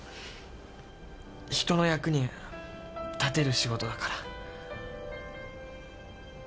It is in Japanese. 人の役に立てる仕事だから。